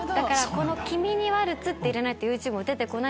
『きみにワルツ』って入れないとＹｏｕＴｕｂｅも出て来ない。